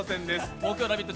木曜「ラヴィット！」